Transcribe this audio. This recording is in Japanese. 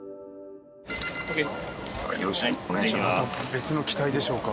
別の機体でしょうか？